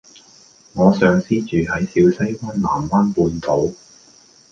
我上司住喺小西灣藍灣半島